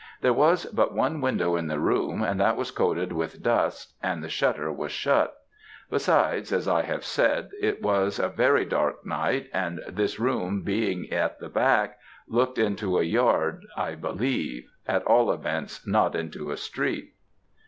There was but one window in the room, and that was coated with dust, and the shutter was shut; besides, as I have said, it was a very dark night, and this room, being at the back, looked into a yard, I believe; at all events, not into a street.